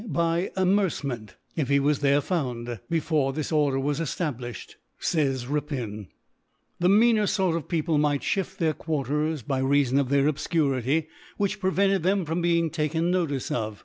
by Amercement) if he was there found t. * Before this Order was eftabliflied,* fays Rapin^ \ the meaner Sort of People might * fhift their Quarters, by reafon of their Ob ^ fcurity, which prevented them from being * taken Notice of.